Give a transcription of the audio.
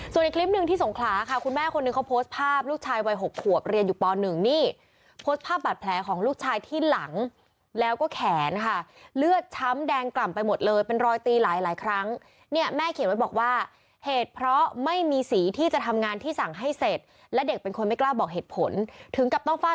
ส่วนอีกคลิปหนึ่งที่สงขลาค่ะคุณแม่คนหนึ่งเขาโพสต์ภาพลูกชายวัย๖ขวบเรียนอยู่ป๑นี่โพสต์ภาพบาดแผลของลูกชายที่หลังแล้วก็แขนค่ะเลือดช้ำแดงกล่ำไปหมดเลยเป็นรอยตีหลายหลายครั้งเนี่ยแม่เขียนไว้บอกว่าเหตุเพราะไม่มีสีที่จะทำงานที่สั่งให้เสร็จและเด็กเป็นคนไม่กล้าบอกเหตุผลถึงกับต้องเฝ้า